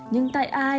nhưng tại ai